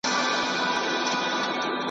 سپورټ روغتیا ته ګټه رسوي.